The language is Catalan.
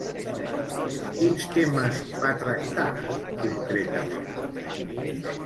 Quins temes va tractar concretament?